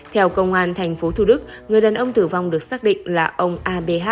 theo công an tp thủ đức người đàn ông tử vong được xác định là ông a b h